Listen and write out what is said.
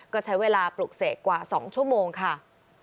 ก็ใช้เวลาปลูกเสกกว่า๒ชั่วโมงค่ะ